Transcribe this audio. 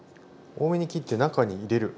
多めに切って中に入れる。